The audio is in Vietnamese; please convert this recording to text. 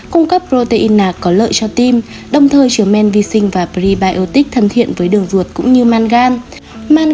cung cấp protein nạc có lợi cho tim đồng thời chứa men vi sinh và prebiotic thân thiện với đường ruột cũng như mangan